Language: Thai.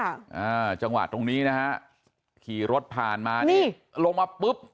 อ่าจังหวะตรงนี้นะฮะขี่รถผ่านมานี่ลงมาปุ๊บ